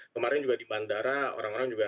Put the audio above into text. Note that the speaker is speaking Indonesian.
kemarin juga di bandara orang orang juga